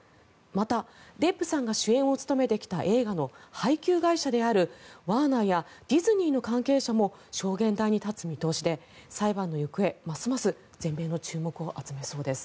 また、デップさんが主演を務めてきた映画の配給会社であるワーナーやディズニーの関係者も証言台に立つ見通しで裁判の行方ますます全米の注目を集めそうです。